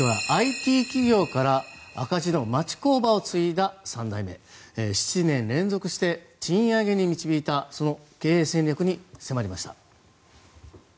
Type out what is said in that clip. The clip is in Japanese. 続いてはＩＴ企業から赤字の町工場を継いだ３代目、７年連続して賃上げに導いたその経営戦略に迫りました。